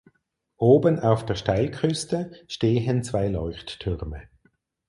Oben auf der Steilküste stehen zwei Leuchttürme.